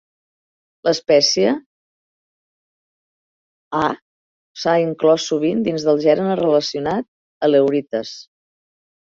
L'espècie ha s'ha inclòs sovint dins del gènere relacionat "Aleurites".